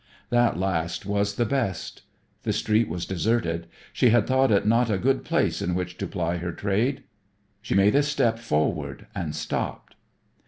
That last was the best. The street was deserted. She had thought it not a good place in which to ply her trade! She made a step forward and stopped.